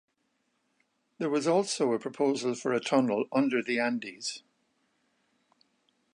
There was also a proposal for a tunnel under the Andes.